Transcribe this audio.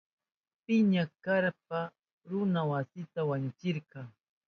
Piña kashpan runa masinta wañuchirka.